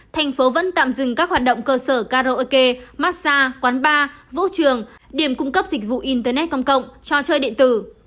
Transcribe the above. thành phố vẫn tạm dừng các hoạt động cơ sở karaoke massage quán bar vũ trường điểm cung cấp dịch vụ internet công cộng trò chơi điện tử